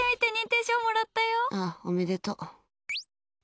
うん、おめでとう。